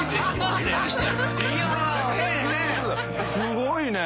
すごいね。